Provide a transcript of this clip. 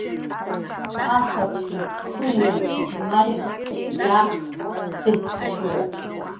"Achakshut k""ullun mallkp"" yaqp"" sijcx'k""ishiwi."